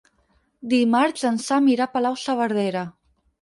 Dimarts en Sam irà a Palau-saverdera.